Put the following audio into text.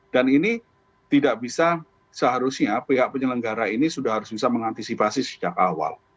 dan ini tidak bisa seharusnya pihak penyelenggara ini sudah harus bisa mengantisipasi sejak awal